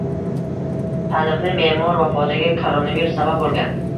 Taniqli me’mor vafotiga koronavirus sabab bo‘lgan